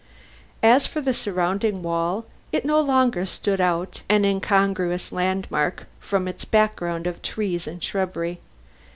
As for the surrounding wall, it no longer stood out, an incongruous landmark, from its background of trees and shrubbery.